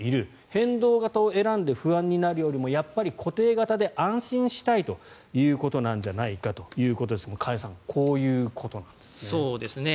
変動型を選んで不安になるよりもやっぱり固定型で安心したいということなんじゃないかということですが加谷さんこういうことなんですね。